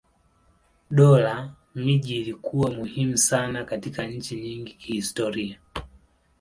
Dola miji ilikuwa muhimu sana katika nchi nyingi kihistoria.